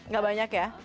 nggak banyak ya